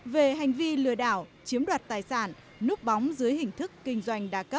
về hành vi lừa đảo chiếm đoạt tài sản núp bóng dưới hình thức kinh doanh đa cấp